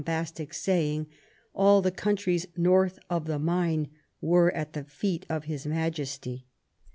bastic saying, all the countries north of the Main were at the feet of his Majesty.